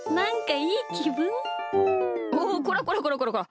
おっこらこらこらこらこら！